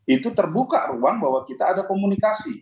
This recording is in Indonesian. itu terbuka ruang bahwa kita ada komunikasi